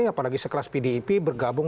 apalagi sekelas pdip bergabung